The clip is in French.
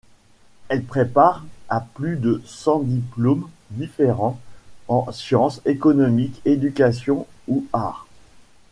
Elle prépare à plus de cent diplômes différents en science, économie, éducation ou arts.